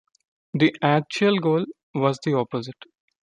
The "actual" goal was the opposite.